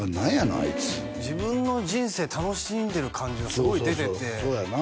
あいつ自分の人生楽しんでる感じがすごい出ててそうそうそうそうやな